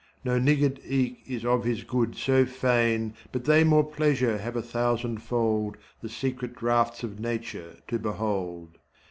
No niggard24 eke is of his good so fain25 But they more pleasure have a thousand fold The secret draughts of nature to behold.